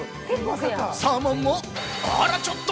サーモンもあらちょっと！